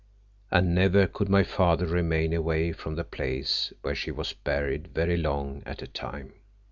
And never could my father remain away from the place where she was buried very long at a time.